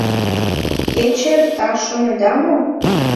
Кече эрта, шонеда мо?